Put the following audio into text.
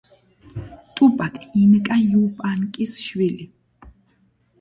ტუპაკ ინკა იუპანკის შვილი.